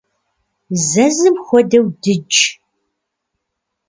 Зэзым хуэдэу дыдж.